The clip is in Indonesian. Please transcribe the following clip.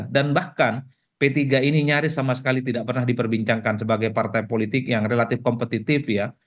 dan bahkan p tiga ini nyaris sama sekali tidak pernah diperbincangkan sebagai partai politik yang relatif kompetitif ya